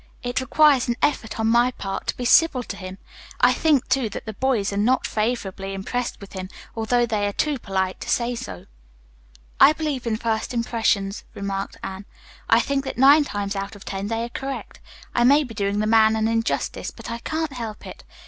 "It requires an effort on my part to be civil to him. I think, too, that the boys are not favorably impressed with him, although they are too polite to say so." "I believe in first impressions," remarked Anne. "I think that nine times out of ten they are correct. I may be doing the man an injustice, but I can't help it.